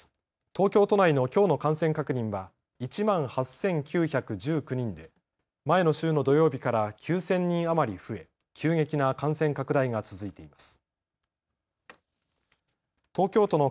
東京都内のきょうの感染確認は１万８９１９人で前の週の土曜日から９０００人余り増え急激な感染拡大が続いています。